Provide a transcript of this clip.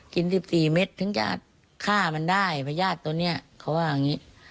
กิน๑๔เม็ดถึงจะฆ่ามันได้พญาติตัวนี้เขาว่าอย่างนี้